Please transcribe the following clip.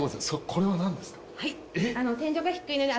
これは何ですか？